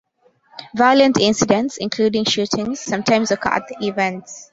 Violent incidents, including shootings, sometimes occur at the events.